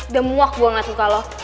demuak gue gak suka lo